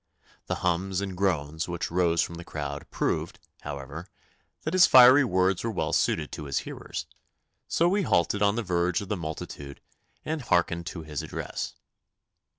The hums and groans which rose from the crowd proved, however, that his fiery words were well suited to his hearers, so we halted on the verge of the multitude and hearkened to his address.